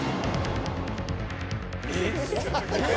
えっ？